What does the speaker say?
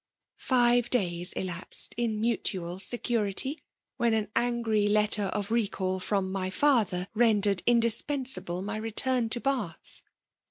Five d&]^ elapsed in mutual security; — ^ben an angry Idtler of recall frdm my father rendered itt* dispensable my return to Bath.